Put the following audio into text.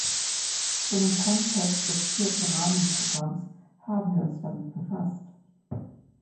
Schon im Kontext des Vierten Rahmenprogramms haben wir uns damit befasst.